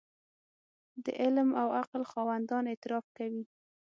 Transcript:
د علم او عقل خاوندان اعتراف کوي.